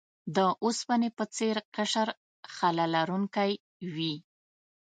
د اوسپنې په څیر قشر خلا لرونکی وي.